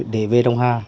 để về đông ha